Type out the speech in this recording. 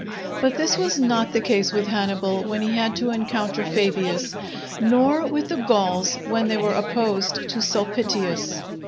But this was not the case with Hannibal when he had to encounter Fabius, nor with the Gauls when they were opposed to Sulpitius.